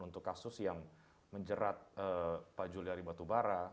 untuk kasus yang menjerat pak juliari batubara